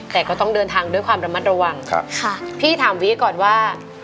แต่ก็ต้องเดินทางด้วยความระมัดระวังพี่ถามวีก่อนว่า